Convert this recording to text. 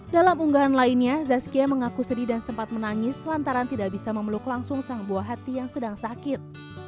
dalam unggahan lainnya zazkia mengaku sedih dan sempat menangis lantaran tidak bisa memeluk langsung sang buah hati yang sedang sakit